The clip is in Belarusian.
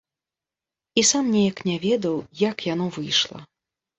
І сам неяк не ведаў, як яно выйшла.